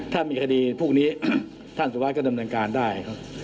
ถ้ามีคดีพวกนี้ท่านสุวัสดิก็ดำเนินการได้ครับ